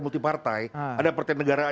multi partai ada partai negara